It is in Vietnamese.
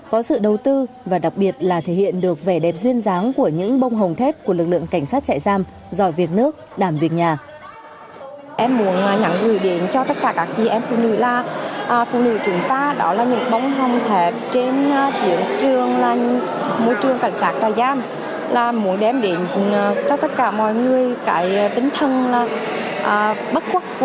có sự đầu tư và đặc biệt là thể hiện được vẻ đẹp duyên dáng của những bông hồng thép của lực lượng cảnh sát chạy giam dòi việc nước đàm việc nhà